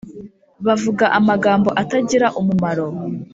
Bavuga amagambo atagira umumaro